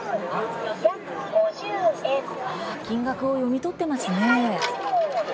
金額を読み取っていますね。